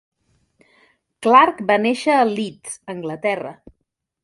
Clark va néixer a Leeds, Anglaterra.